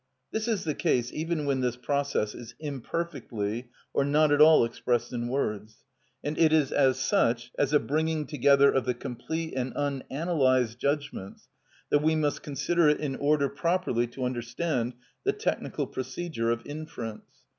This is the case even when this process is imperfectly or not at all expressed in words; and it is as such, as a bringing together of the complete and unanalysed judgments, that we must consider it in order properly to understand the technical procedure of inference.